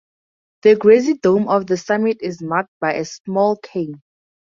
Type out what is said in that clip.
The grassy dome of the summit is marked by a small cairn.